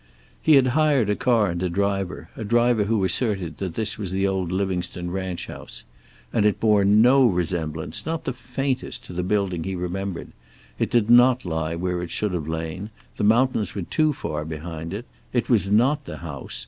He had hired a car and a driver, a driver who asserted that this was the old Livingstone ranch house. And it bore no resemblance, not the faintest, to the building he remembered. It did not lie where it should have lain. The mountains were too far behind it. It was not the house.